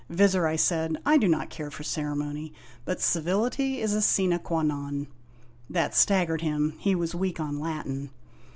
"Vizir," I said, "I do not care for ceremony, but civility is a sine qud non" (That staggered him ; he was weak on Latin.)